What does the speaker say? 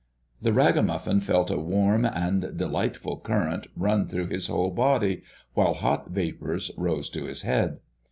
The ragamuffin felt a warm and delightful current run through his whole body while hot vapors rose to his head.